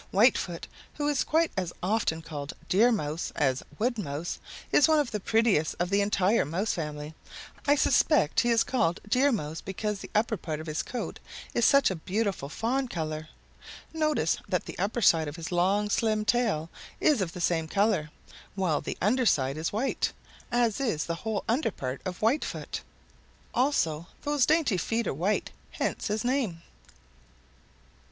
"Whitefoot, who is quite as often called Deer Mouse as Wood Mouse, is one of the prettiest of the entire Mouse family. I suspect he is called Deer Mouse because the upper part of his coat is such a beautiful fawn color. Notice that the upper side of his long slim tail is of the same color, while the under side is white, as is the whole under part of Whitefoot. Also those dainty feet are white, hence his name.